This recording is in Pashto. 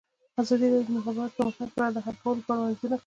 ازادي راډیو د د مخابراتو پرمختګ په اړه د حل کولو لپاره وړاندیزونه کړي.